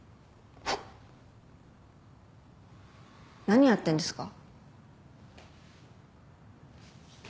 何やってんですか？